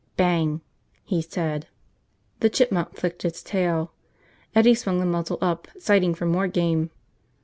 "Bang!" he said. The chipmunk flicked its tail. Eddie swung the muzzle up, sighting for more game.